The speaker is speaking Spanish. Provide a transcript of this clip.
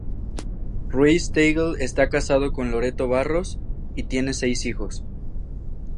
Ruiz-Tagle está casado con Loreto Barros y tiene seis hijos.